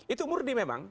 itu murni memang